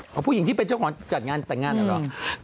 พวกผู้หญิงที่เป็นเจ้าของจัดงานต่างานหรือเปล่า